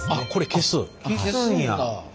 消すんだ。